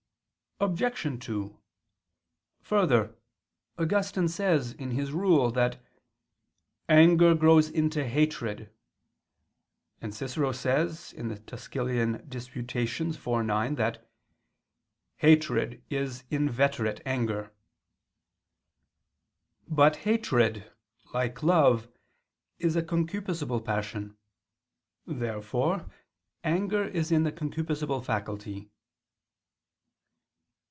Obj. 2: Further, Augustine says in his Rule, that "anger grows into hatred": and Cicero says (De Quaest. Tusc. iv, 9) that "hatred is inveterate anger." But hatred, like love, is a concupiscible passion. Therefore anger is in the concupiscible faculty.